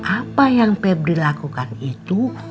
apa yang febri lakukan itu